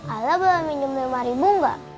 ala boleh minum lima ribu enggak